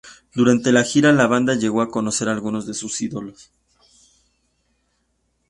Durante la gira, la banda llegó a conocer a algunos de sus ídolos.